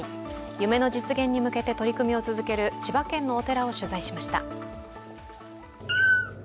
夢の実現に向けて取り組みを進める千葉県のお寺を取材しました。